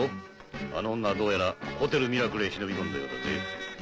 あの女はどうやらホテルミラクルへ忍び込んだようだぜ。